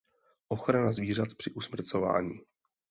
Ochrana zvířat při usmrcování.